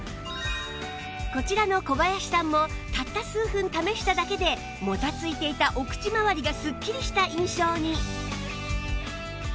こちらの小林さんもたった数分試しただけでもたついていたお口まわりがスッキリした印象に